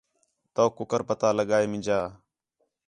تؤک کُکر پتا لڳا ہے مینجا؟